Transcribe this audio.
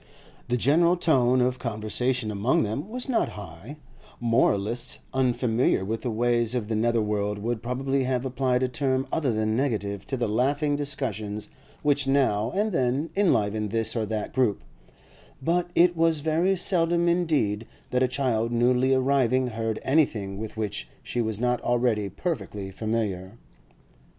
The general tone of conversation among them was not high; moralists unfamiliar with the ways of the nether world would probably have applied a term other than negative to the laughing discussions which now and then enlivened this or that group; but it was very seldom indeed that a child newly arriving heard anything with which she was not already perfectly familiar.